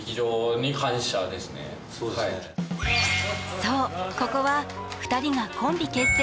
そう、ここは２人がコンビ結成